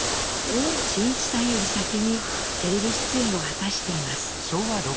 真一さんより先にテレビ出演を果たしています。